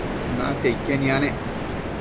natia iquen yanec